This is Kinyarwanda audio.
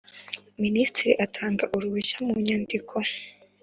Minisitiri atanga uruhushya mu nyandiko